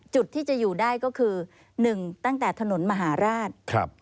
จุดที่จะอยู่ได้ก็คือ๑ตั้งแต่ถนนมหาราช